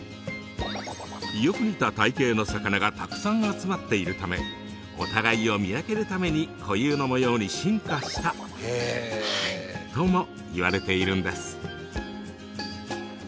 よく似た体形の魚がたくさん集まっているためお互いを見分けるために固有の模様に進化したともいわれているんです。